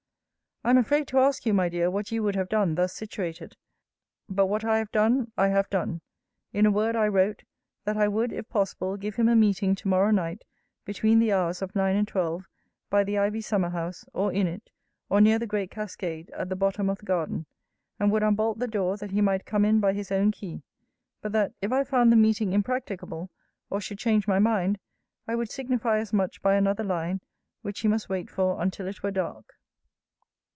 I am afraid to ask you, my dear, what you would have done, thus situated. But what I have done, I have done. In a word, I wrote, 'That I would, if possible, give him a meeting to morrow night, between the hours of nine and twelve, by the ivy summer house, or in it, or near the great cascade, at the bottom of the garden; and would unbolt the door, that he might come in by his own key. But that, if I found the meeting impracticable, or should change my mind, I would signify as much by another line; which he must wait for until it were dark.'